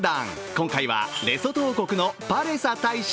今回はレソト王国のパレサ大使。